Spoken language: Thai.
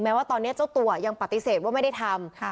ว่าตอนนี้เจ้าตัวยังปฏิเสธว่าไม่ได้ทำ